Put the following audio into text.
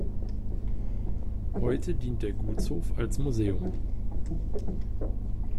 Heute dient der Gutshof als Museum.